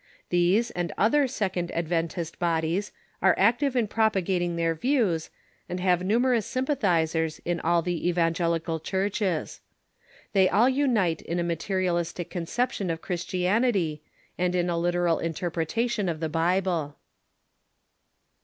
These and other Second Ad ventist bodies are active in propagating their views, and have numerous sympathizers in all the evangelical churches. They all unite in a materialistic conception of Christianity and in a literal interpretation of the IJible.